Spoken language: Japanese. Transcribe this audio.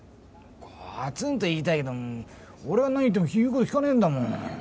ガツンと言いたいけど俺が何言っても言うこと聞かねぇんだもん。